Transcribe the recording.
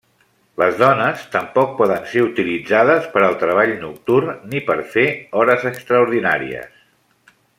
Les dones tampoc poden ser utilitzades per al treball nocturn ni per fer hores extraordinàries.